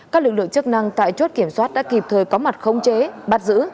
các lực lượng chức năng tại chốt kiểm soát đã kịp thời có mặt không chế bắt giữ